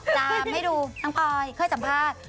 ตามให้ดูทั้งปอยเคยสัมภาษณ์